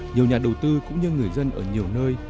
nhiều nhà đầu tư cũng như người dân ở nhiều nơi